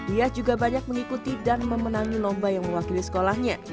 ia juga banyak mengikuti dan memenangi lomba yang mewakili sekolahnya